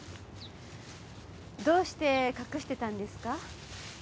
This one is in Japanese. どうして隠してたんですか？